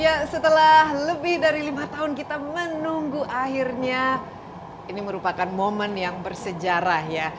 ya setelah lebih dari lima tahun kita menunggu akhirnya ini merupakan momen yang bersejarah ya